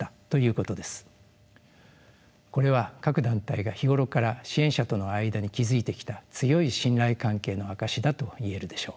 これは各団体が日頃から支援者との間に築いてきた強い信頼関係の証しだと言えるでしょう。